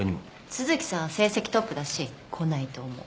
都築さんは成績トップだし来ないと思う。